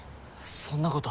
そんなこと。